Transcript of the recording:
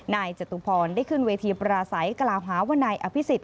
จตุพรได้ขึ้นเวทีปราศัยกล่าวหาว่านายอภิษฎ